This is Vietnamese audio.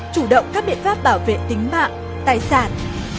chủ động các biện pháp bảo vệ tính mạng tài sản